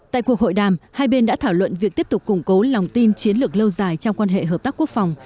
tại cuộc hội đàm hai bên đã thảo luận việc tiếp tục củng cố lòng tin chiến lược lâu dài trong quan hệ hợp tác quốc phòng